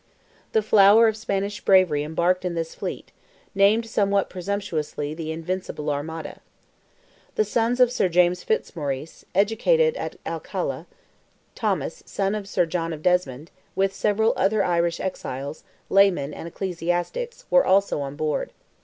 The flower of Spanish bravery embarked in this fleet, named somewhat presumptuously "the invincible armada." The sons of Sir James Fitzmaurice, educated at Alcala, Thomas, son of Sir John of Desmond, with several other Irish exiles, laymen, and ecclesiastics, were also on board.